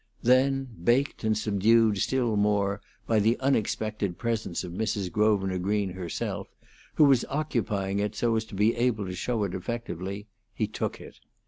Then, baked and subdued still more by the unexpected presence of Mrs. Grosvenor Green herself, who was occupying it so as to be able to show it effectively, he took it.